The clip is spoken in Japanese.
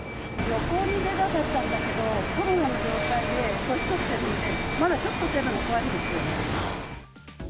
旅行に出たかったんだけど、コロナの状態で、年取ってるので、またちょっとそういうのが怖いんですよね。